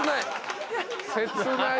切ない。